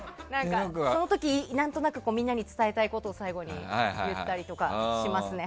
その時、何となくみんなに伝えたいことを最後に言ったりとかしますね。